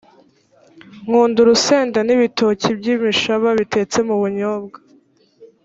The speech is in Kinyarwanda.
nkunda urusenda n’ibitoki by imishaba bitetse mu bunyobwa